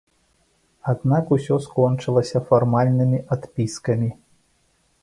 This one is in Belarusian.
Аднак усё скончылася фармальнымі адпіскамі.